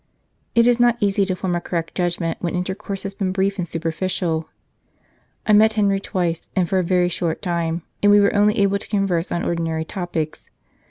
It is not easy to form a correct judgment when intercourse has been brief and superficial. I met Henry twice, and for a very short time, and we were only able to converse on ordinary topics.